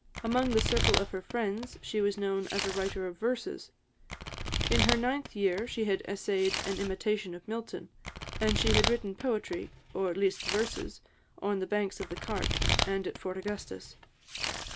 Among the circle of her friends she was known as a writer of verses; in her ninth year, she had essayed an imitation of Milton; and she had written poetry, or at least verses, on the banks of the Cart and at Fort Augustus.